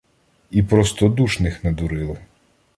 І простодушних не дурили.